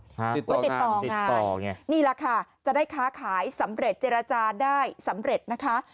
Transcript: ก็ติดต่องานต่อไงนี่แหละค่ะจะได้ค้าขายสำเร็จเจรจาได้สำเร็จนะคะ